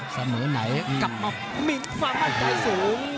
เสมอไหนกลับมามิงฟ้ามันใจสูง